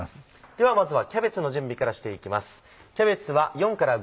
ではまずはキャベツの準備からしていきます。